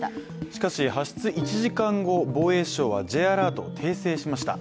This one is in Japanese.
しかし発出１時間後防衛省はＪアラートを訂正しました。